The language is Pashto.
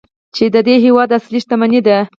چې د دې هیواد اصلي شتمني ده.